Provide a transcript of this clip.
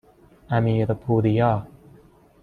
امیرپوریا